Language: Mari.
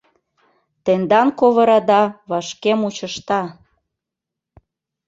Тендан ковырада вашке мучышта.